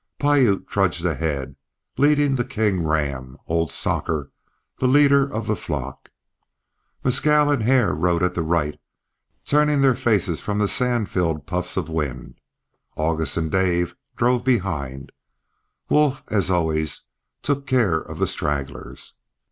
Piute trudged ahead leading the king ram, old Socker, the leader of the flock; Mescal and Hare rode at the right, turning their faces from the sand filled puffs of wind; August and Dave drove behind; Wolf, as always, took care of the stragglers.